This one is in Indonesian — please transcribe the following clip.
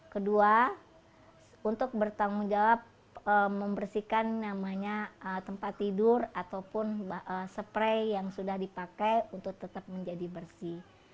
kedua untuk bertanggung jawab membersihkan tempat tidur ataupun spray yang sudah dipakai untuk tetap menjadi bersih